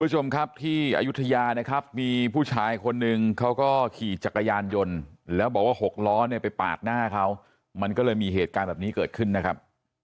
คุณผู้ชมครับที่อายุทยานะครับมีผู้ชายคนนึงเขาก็ขี่จักรยานยนต์แล้วบอกว่าหกล้อเนี่ยไปปาดหน้าเขามันก็เลยมีเหตุการณ์แบบนี้เกิดขึ้นนะครับ